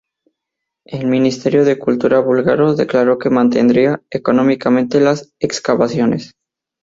El Ministerio de Cultura búlgaro declaró que mantendría económicamente las excavaciones.